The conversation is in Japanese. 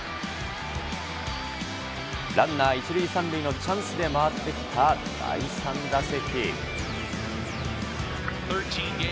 ランナー１塁３塁のチャンスで回ってきた第３打席。